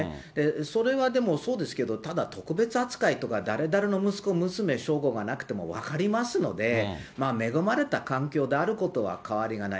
それはでもそうですけど、ただ、特別扱いとか、誰々の息子、娘、称号がなくても分かりますので、恵まれた環境であることは変わりがない。